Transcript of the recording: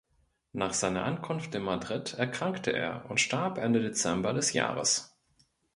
Nach seiner Ankunft in Madrid erkrankte er und starb Ende Dezember des Jahres.